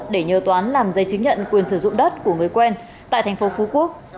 để nhờ toán làm giấy chứng nhận quyền sử dụng đất của người quen tại thành phố phú quốc